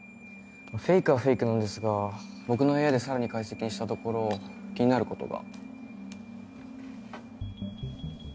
フェイクはフェイクなんですが僕のＡＩでさらに解析したところ気になることが。